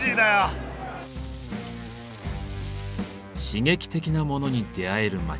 刺激的なモノに出会える街